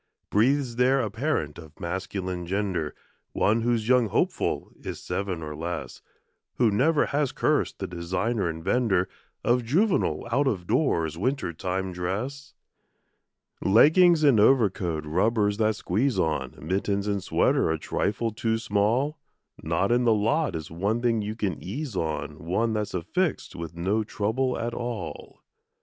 Breathes there a parent of masculine gender, One whose young hopeful is seven or less, Who never has cursed the designer and vender Of juvenile out of doors winter time dress? Leggings and overcoat, rubbers that squeeze on, Mittens and sweater a trifle too small; Not in the lot is one thing you can ease on, One that's affixed with no trouble at all.